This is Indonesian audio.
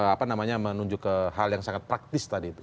apa namanya menunjuk ke hal yang sangat praktis tadi itu